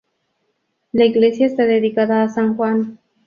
La iglesia está dedicada a San Juan.